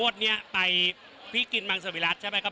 ื่อกว่านี้ไปเผ้ากินมังสรวิรัสดิ์ใช่มั้ย